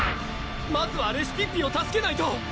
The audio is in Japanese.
まずはレシピッピを助けないと！